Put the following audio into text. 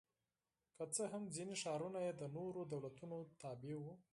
که څه هم ځیني ښارونه یې د نورو دولتونو تابع وو